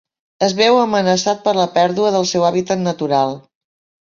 Es veu amenaçat per la pèrdua del seu hàbitat natural.